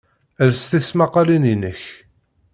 Els tismaqalin-inek!